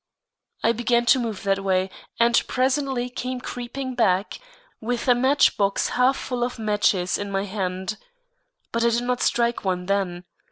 I began to move that way, and presently came creeping back, with a match box half full of matches in my hand. But I did not strike one then.